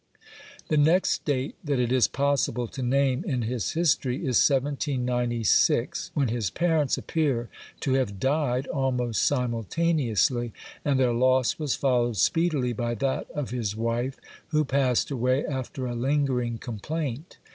The next date that it is possible to name in his history is 1796, when his parents appear to have died almost simul taneously,! and their loss was followed speedily by that of his wife, who passed away after a lingering complaint.